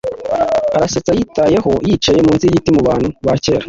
Arasetsa yitayeho, Yicaye munsi yigiti, Mubantu bakera.